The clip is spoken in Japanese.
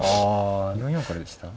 ４四からでした？